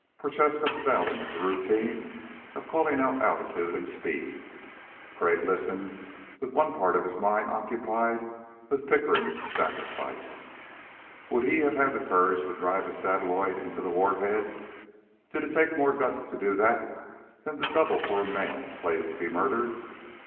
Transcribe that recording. Prochaska fell into the routine of calling out altitude and speed. Crag listened with one part of his mind occupied with Pickering's sacrifice. Would he have had the courage to drive the satelloid into the warhead? Did it take more guts to do that than to double for a man slated to be murdered?